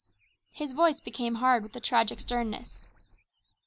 His voice became hard with a tragic sternness.